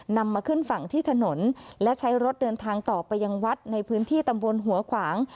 นำมาขึ้นฝั่งที่ถนนและใช้รถเดินทางต่อไปยังวัดในพื้นที่ตำบลหัวขวาง